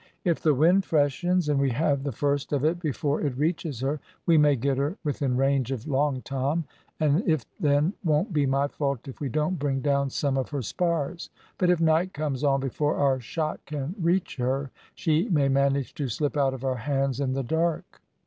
"If the wind freshens, and we have the first of it before it reaches her, we may get her within range of Long Tom, and it then won't be my fault if we don't bring down some of her spars; but if night comes on before our shot can reach her, she may manage to slip out of our hands in the dark."